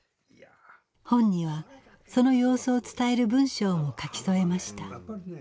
本にはその様子を伝える文章も書き添えました。